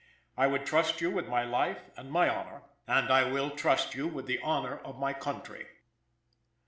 I would trust you with my life and my honor; and I will trust you with the honor of my country."